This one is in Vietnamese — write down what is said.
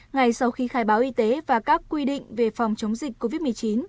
ngay sau khi khai báo y tế và các quy định về phòng chống dịch covid một mươi chín